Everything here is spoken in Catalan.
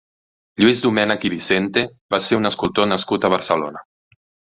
Lluís Domènech i Vicente va ser un escultor nascut a Barcelona.